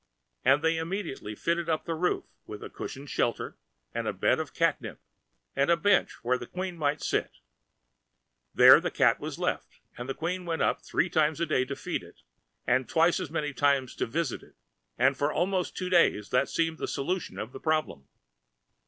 And they immediately fitted up the roof with a cushioned shelter, and a bed of catnip, and a bench where the Queen might sit. There the cat was left; and the Queen went up three times a day to feed it, and twice as many times to visit it, and for almost two days that seemed the solution of the problem.